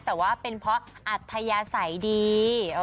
แต่ว่าเป็นเพราะอัธยาศัยดี